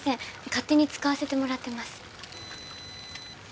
勝手に使わせてもらってます